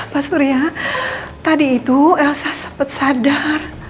pak surya tadi itu elsa sempat sadar